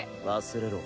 忘れろ。